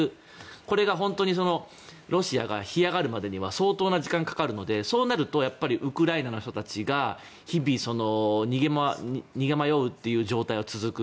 これが本当にロシアが干上がるまでには相当な時間がかかるのでそうなるとウクライナの人たちが日々逃げ惑うという状態が続く。